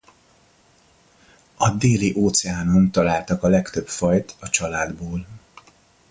A Déli-óceánon találtak a legtöbb fajt a családból.